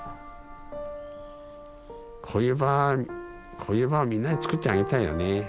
こういう場をみんなにつくってあげたいよね。